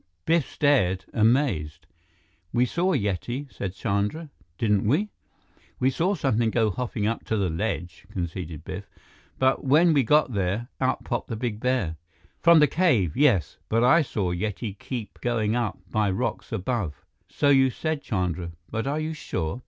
Biff stared amazed. "We saw Yeti," said Chandra. "Didn't we?" "We saw something go hopping up to the ledge," conceded Biff, "but when we got there, out popped the big bear." "From the cave, yes, but I saw Yeti keep going up by rocks above." "So you said, Chandra. But are you sure?"